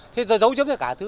thế giờ giấu giếm tất cả mọi thứ